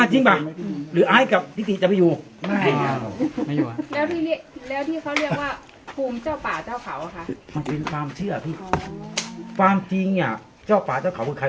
อืมเพราะว่าภูมิเจ้าป่าเจ้าเขาหรอคะมันเป็นความเชื่อพี่อ๋อความจริงอ่ะเจ้าป่าเจ้าเขาคือใคร